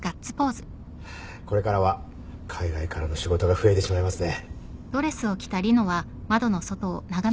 これからは海外からの仕事が増えてしまいますね。